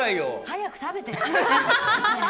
早く食べて。